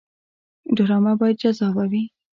ډرامه باید جذابه وي